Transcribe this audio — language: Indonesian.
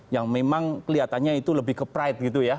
yang memang kelihatannya itu lebih ke pride gitu ya